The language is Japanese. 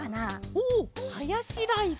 おおハヤシライス！